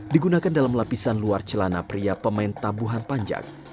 digunakan dalam lapisan luar celana pria pemain tabuhan panjang